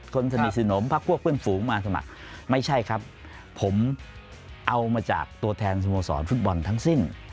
คนสนิทสนมพักพวกเพื่อนฝูงมาสมัครไม่ใช่ครับผมเอามาจากตัวแทนสโมสรฟุตบอลทั้งสิ้น